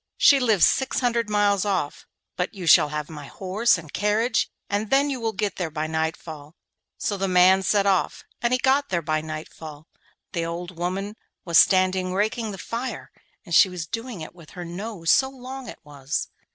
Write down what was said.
She lives six hundred miles off, but you shall have my horse and carriage, and then you will get there by nightfall.' So the man set off and he got there by nightfall. The old woman was standing raking the fire, and she was doing it with her nose, so long it was.